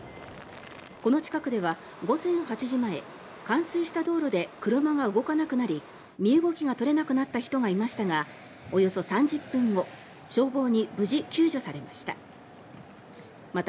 この近くでは午前８時前冠水した道路で車が動かなくなり身動きが取れなくなった人がいましたがおよそ３０分後消防に無事、救助されました。